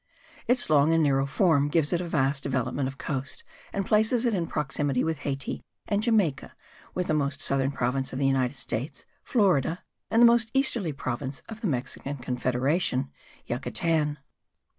Its long and narrow form gives it a vast development of coast and places it in proximity with Hayti and Jamaica, with the most southern province of the United States (Florida) and the most easterly province of the Mexican Confederation (Yucatan).